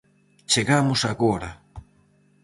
Chegamos agora.